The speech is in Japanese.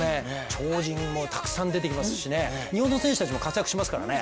超人もたくさん出てきますしね、日本の選手たちも活躍しますからね。